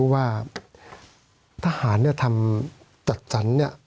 สวัสดีครับทุกคน